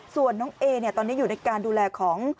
ส่วนน้องเอตอนนี้อยู่ในการดูแลของ